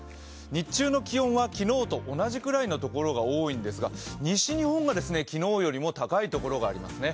日中の気温は昨日と同じぐらいのところが多いんですが西日本が昨日よりも高い所がありますね。